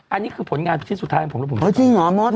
อันนี้คือผลงานชื่อสุดท้ายของผม